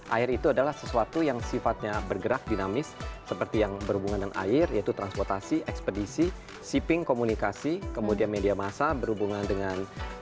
air itu adalah sesuatu yang sifatnya bergerak dinamis seperti yang berhubungan dengan air yaitu transportasi ekspedisi shipping komunikasi kemudian media massa berhubungan dengan